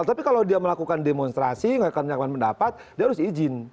tapi kalau dia melakukan demonstrasi nggak akan menyampaikan pendapat dia harus izin